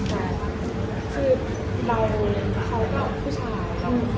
เขาก็เป็นผู้ชาย